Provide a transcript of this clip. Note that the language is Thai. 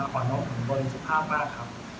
อย่างออกมามากสภาพมากครับ